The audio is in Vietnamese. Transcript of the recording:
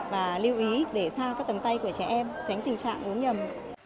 và lưu ý để sang các tầng tay của chị em tránh tình trạng uống nhầm